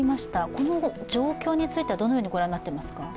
この状況についてはどのようにご覧になっていますか？